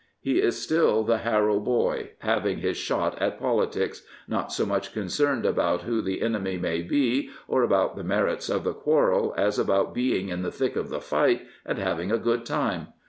He is still the Harrow boy, having his " shot at politics "— not so much concerned about who the enemy may be or about the merits of the quarrel as about being in the thick of the fight and having a good time.